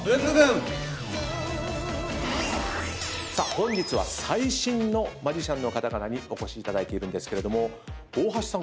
本日は最新のマジシャンの方々にお越しいただいているんですけど大橋さん